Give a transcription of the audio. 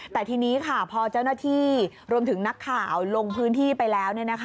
แต่ทีนี้ค่ะพอเจ้าหน้าที่รวมถึงนักข่าวลงพื้นที่ไปแล้ว